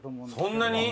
そんなに？